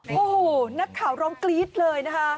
โอ้โหนักข่าวร้องกรี๊ดเลยนะคะ